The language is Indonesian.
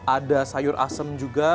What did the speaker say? ada sayur asem juga